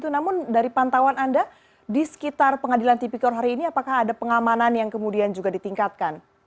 namun dari pantauan anda di sekitar pengadilan tipikor hari ini apakah ada pengamanan yang kemudian juga ditingkatkan